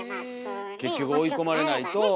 結局追い込まれないと。